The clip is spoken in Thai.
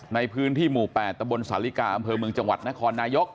ในพื้นที่หมู่๘ตะบนสาลิกาอำเภอเมืองจังหวัดนครนายก